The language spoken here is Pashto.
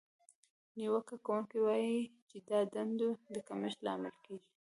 نیوکه کوونکې وایي چې دا د دندو د کمښت لامل کیږي.